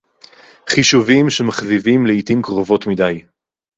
חִישּׁוּבִים, שֶׁמַּכְזִיבִים לְעִתִּים קְרוֹבוֹת מִדַּי